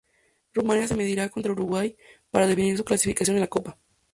Rumania se mediría contra Uruguay para definir su clasificación en la copa.